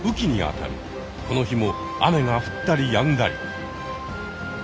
この日も雨が降ったりやんだり。